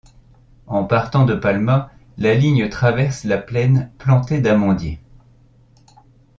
En partant de Palma, la ligne traverse la plaine plantée d'amandiers.